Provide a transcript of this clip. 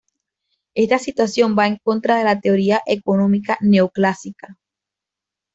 Esta situación va en contra de la teoría económica neoclásica.